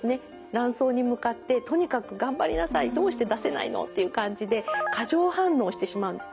卵巣に向かってとにかく頑張りなさいどうして出せないのっていう感じで過剰反応してしまうんですね。